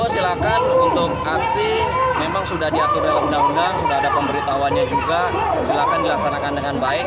silakan untuk aksi memang sudah diatur dalam undang undang sudah ada pemberitahuannya juga silahkan dilaksanakan dengan baik